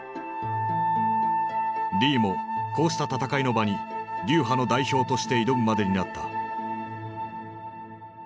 リーもこうした戦いの場に流派の代表として挑むまでになった。